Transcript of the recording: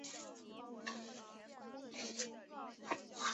当然也没有用财务杠杆来提升收益率。